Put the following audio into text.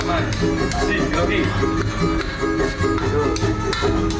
lima boleh enam boleh